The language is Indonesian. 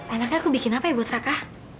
anaknya aku bikin apa ya buat raka